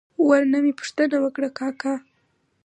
ور نه مې پوښتنه وکړه: کاکا!